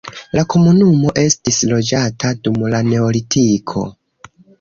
La komunumo estis loĝata dum la neolitiko.